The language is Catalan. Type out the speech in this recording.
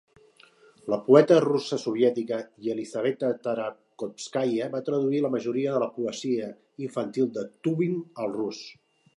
La poeta russa soviètica Yelizaveta Tarakhovskaya va traduir la majoria de la poesia infantil de Tuwim al rus.